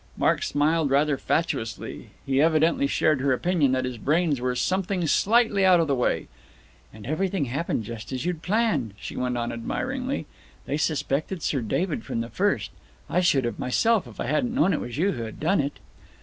Mark smiled rather fatuously. He evidently shared her opinion that his brains were something slightly out of the way. "And everything happened just as you'd planned," she went on admiringly. "They suspected Sir David from the first. I should have, myself, if I hadn't known it was you who had done it."